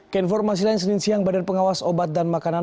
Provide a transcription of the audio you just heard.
keinformasi lain senin siang badan pengawas obat dan makanan